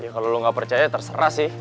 ya kalo lo gak percaya terserah sih